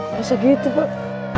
masa gitu pak